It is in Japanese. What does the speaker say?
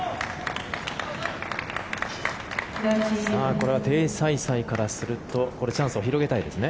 これはテイ・サイサイからするとチャンスを広げたいですね。